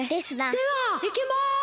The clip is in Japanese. ・ではいきます。